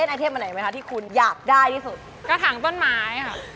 กระถางต้นไม้สีดำ